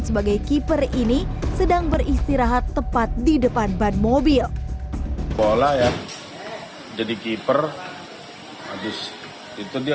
sebagai keeper ini sedang beristirahat tepat di depan ban mobil bola ya jadi keeper habis itu dia